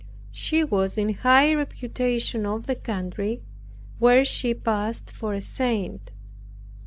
She was in high reputation in the country, where she passed for a saint.